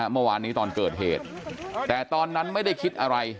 เมื่อวานนี้ตอนเกิดเหตุแต่ตอนนั้นไม่ได้คิดอะไร